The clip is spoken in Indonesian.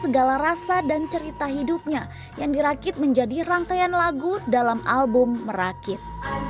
segala rasa dan cerita hidupnya yang dirakit menjadi rangkaian lagu dalam album merakit